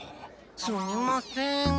すみません。